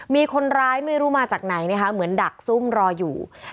มีคนร้ายไม่รู้มาจากไหนนะคะเหมือนดักซุ่มรออยู่